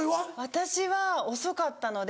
私は遅かったので。